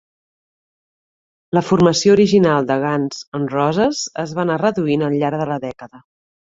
La formació original de Guns N' Roses' es va anar reduint al llarg de la dècada.